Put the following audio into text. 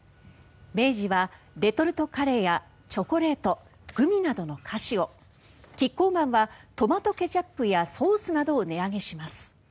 明治はレトルトカレーやチョコレートグミなどの菓子をキッコーマンはトマトケチャップやソースなどを値上げします。